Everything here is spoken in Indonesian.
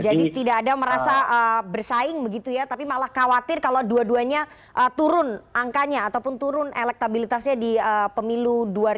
jadi tidak ada merasa bersaing begitu ya tapi malah khawatir kalau dua duanya turun angkanya ataupun turun elektabilitasnya di pemilu dua ribu dua puluh empat